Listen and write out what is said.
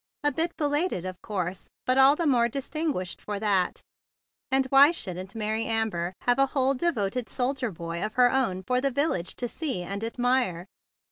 A bit belated, of course, but all the more distinguished for that. And why should not Mary Amber have a whole devoted soldier boy of her own for the village to see and admire?